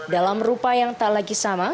dalam rupa yang tak lagi sama